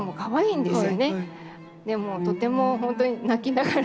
でもとても本当に泣きながら。